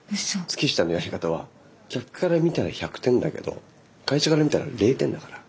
月下のやり方は客から見たら１００点だけど会社から見たら０点だから。